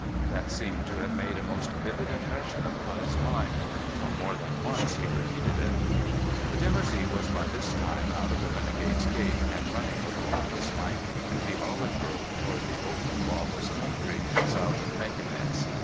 That seemed to have made a most vivid impression upon his mind, for more than once he repeated it. But Dimoussi was by this time out of the Renegade's Gate, and running with all his might through the olive grove towards the open, lawless country south of Mequinez.